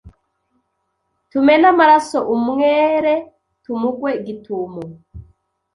tumene amaraso umwere tumugwe gitumo